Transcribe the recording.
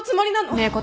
ねえ。